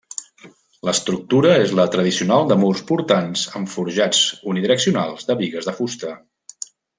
L'estructura és la tradicional de murs portants amb forjats unidireccionals de bigues de fusta.